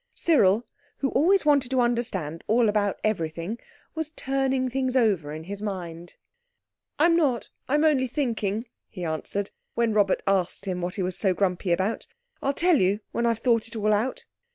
Cyril, who always wanted to understand all about everything, was turning things over in his mind. "I'm not; I'm only thinking," he answered when Robert asked him what he was so grumpy about. "I'll tell you when I've thought it all out."